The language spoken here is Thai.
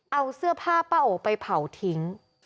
เอาเสื้อผ้าป้าโอไปเผาทิ้ง